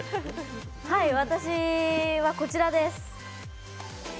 私はこちらです。